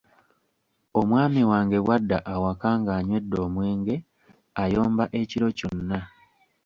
Omwami wange bwadda awaka ng'anywedde omwenge ayomba ekiro kyonna.